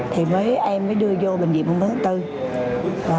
thì em mới đưa vô bệnh viện ba mươi tháng bốn